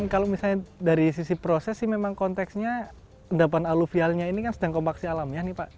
kalau misalnya dari sisi proses sih memang konteksnya endapan aluvialnya ini kan sedang kompaksi alam ya nih pak